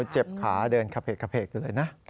เจ็บขาเดินขาเพกเลยนะ